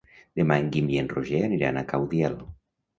Demà en Guim i en Roger aniran a Caudiel.